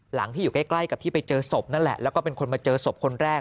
หลังที่อยู่ใกล้กับที่ไปเจอศพนั่นแหละแล้วก็เป็นคนมาเจอศพคนแรก